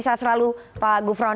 selalu pak gufron